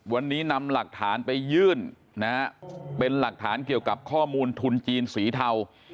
วันนี้นำหลักฐานไปยื่นนะฮะเป็นหลักฐานเกี่ยวกับข้อมูลทุนจีนสีเทา